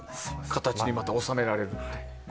形にまた収められるというね。